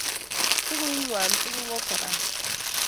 Bukuit ng'wang' tugul ko Quran